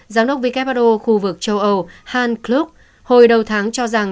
giám đốc vkpado khu vực châu âu han klub hồi đầu tháng cho rằng